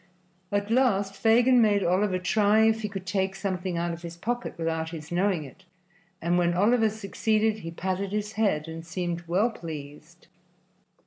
At last Fagin made Oliver try if he could take something out of his pocket without his knowing it, and when Oliver succeeded he patted his head and seemed well pleased.